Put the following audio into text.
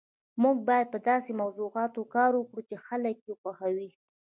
موږ باید په داسې موضوعاتو کار وکړو چې خلک یې خوښوي